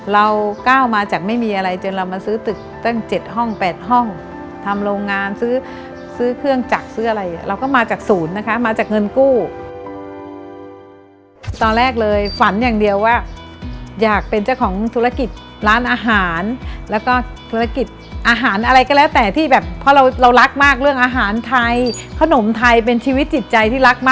เราก้าวมาจากไม่มีอะไรจนเรามาซื้อตึกตั้ง๗ห้อง๘ห้องทำโรงงานซื้อซื้อเครื่องจักรซื้ออะไรเราก็มาจากศูนย์นะคะมาจากเงินกู้ตอนแรกเลยฝันอย่างเดียวว่าอยากเป็นเจ้าของธุรกิจร้านอาหารแล้วก็ธุรกิจอาหารอะไรก็แล้วแต่ที่แบบเพราะเราเรารักมากเรื่องอาหารไทยขนมไทยเป็นชีวิตจิตใจที่รักมาก